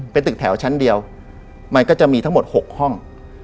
เป็นตึกแถวชั้นเดียวมันก็จะมีทั้งหมด๖ห้อง